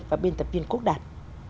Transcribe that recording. và biên tập viên quốc đạt